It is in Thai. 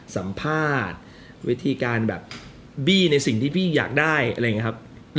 สัมภาษณ์วิธีการแบบบี้ในสิ่งที่พี่อยากได้อะไรอย่างนี้ครับ